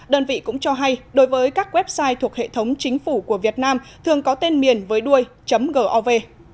đơn vị cũng cho hay đối với các website thuộc hệ thống chính phủ của việt nam thường có tên miền với đuôi gov